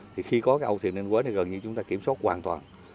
thì khi có cái âu thuyền ninh quế thì gần như chúng ta kiểm soát hoàn toàn